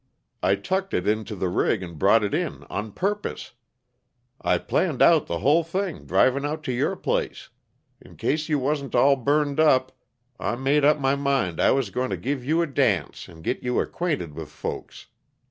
I tucked it into the rig and brought it in, on purpose. I planned out the hull thing, driving out to your place. In case you wasn't all burned up, I made up my mind I was going to give you a dance, and git you acquainted with folks.